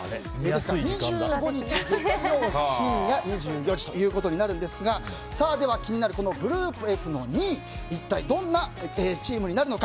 ２５日、月曜深夜２４時となるんですが気になるグループＦの２位一体どんなチームになるのか